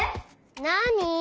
なに？